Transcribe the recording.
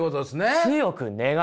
強く願う。